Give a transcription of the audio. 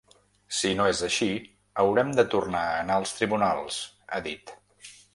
Si no és així, haurem de tornar a anar als tribunals, ha dit.